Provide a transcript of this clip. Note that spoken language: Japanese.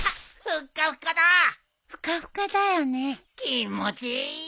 気持ちいい。